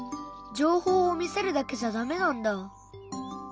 情報を見せるだけじゃダメなんだ。